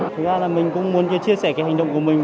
thực ra là mình cũng muốn chia sẻ cái hành động của mình